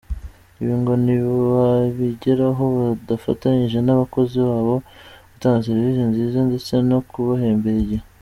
Ibi ngo ntibabigeraho badafatanyije n’abakozi babo gutanga serivisi nziza, ndetse no kubahembera igihe.